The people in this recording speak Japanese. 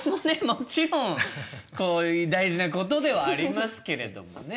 もちろん大事なことではありますけれどもね。